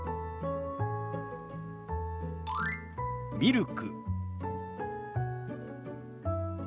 「ミルク」。